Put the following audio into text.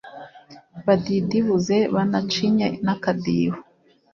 Badidibuze banacinye n'akadiho